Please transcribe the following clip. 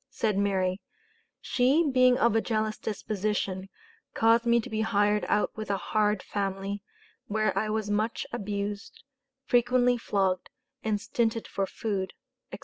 Said Mary, "She being of a jealous disposition, caused me to be hired out with a hard family, where I was much abused, frequently flogged, and stinted for food," etc.